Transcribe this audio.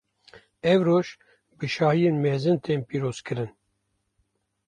Ev roj, bi şahiyên mezin tên pîrozkirin.